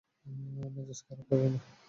মেজাজ খারাপ কইরো না!